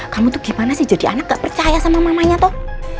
kamu tuh gimana sih jadi anak gak percaya sama mamanya toh